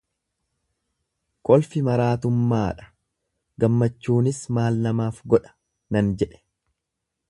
"Kolfi maraatummaa dha, gammachuunis maal namaaf godha?" nan jedhe;